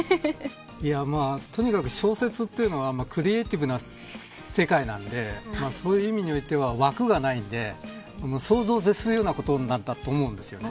とにかく小説というのはクリエイティブな世界なのでそういう意味において枠がないので想像を絶するようなことなんだと思うんですよね。